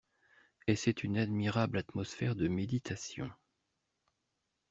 Et c'est une admirable atmosphère de méditation.